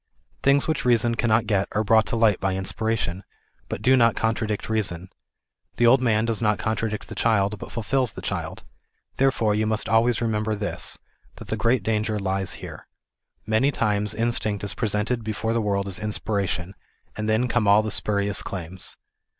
Things which reason cannot o et are brought to light by inspiration, but do not contradict reason. The old man does not contradict the child but fulfils the child. Therefore you must always remember this ŌĆö that the great danger t lies here : ŌĆö Many times in stinct is presented before 'the world as inspiration, and then come all the spurious claims.